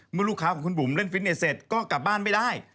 เมื่อลูกค้าของคุณบุ๋มเล่นฟิตเนสเสร็จก็กลับบ้านไม่ได้